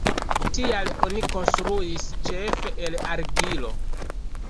Tial oni konstruis ĉefe el argilo.